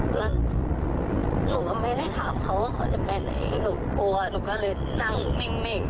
แล้วหนูก็ไม่ได้ถามเขาว่าเขาจะไปไหนหนูกลัวหนูก็เลยนั่งมิ่ง